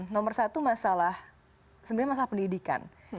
nomor satu masalah sebenarnya masalah pendidikan